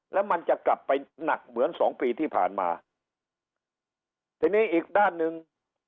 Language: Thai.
แล้วมันจะกลับไปหนักเหมือนสองปีที่ผ่านมาทีนี้อีกด้านหนึ่ง